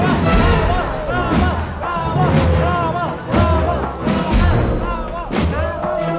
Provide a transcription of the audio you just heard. ya allah mudah mudahan raya cepet sembel